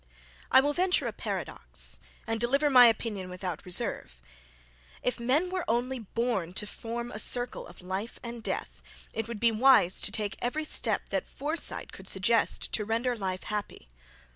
I will venture a paradox, and deliver my opinion without reserve; if men were only born to form a circle of life and death, it would be wise to take every step that foresight could suggest to render life happy.